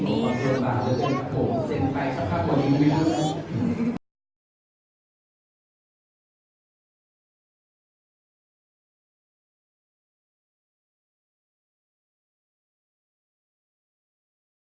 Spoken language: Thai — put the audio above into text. อันนี้ฮะอันนี้ไม่น่าจะได้แต่ง